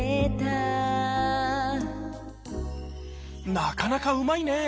なかなかうまいね。